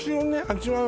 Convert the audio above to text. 味わう